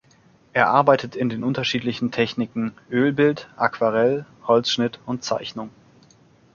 Er arbeitet in den unterschiedlichen Techniken: Ölbild, Aquarell, Holzschnitt und Zeichnung.